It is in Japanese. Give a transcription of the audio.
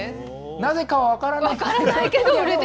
なぜかは分からないけど？